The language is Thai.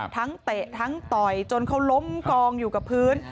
เตะทั้งต่อยจนเขาล้มกองอยู่กับพื้น